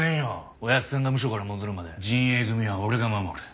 おやっさんがムショから戻るまで仁英組は俺が守る。